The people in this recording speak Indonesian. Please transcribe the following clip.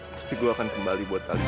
tapi gua akan kembali buat talitha